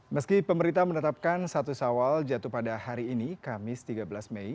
meski pemerintah menetapkan satu sawal jatuh pada hari ini kamis tiga belas mei